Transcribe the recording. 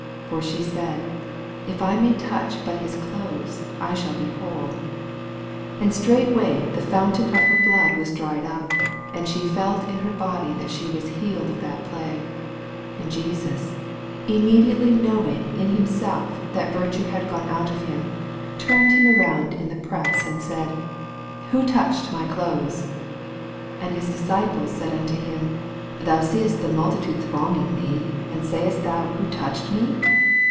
28 For she said, If I may touch but his clothes, I shall be whole. 29 And straightway the fountain of her blood was dried up ; and she felt in Tier body that she was healed of that plague. 30 And Jesus, immediately know ing in himself thatvirtue had gone out ofhim^turned him about in the press, and said, Who touched my clothes ? 31 And his disciples said unto him, Thou seest the multitude thronging thee, and sayest thou, Who touched me?